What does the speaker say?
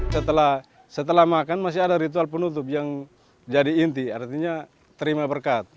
setelah makan masih ada ritual penutup yang jadi inti artinya terima berkat